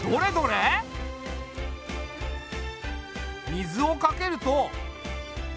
水をかけると。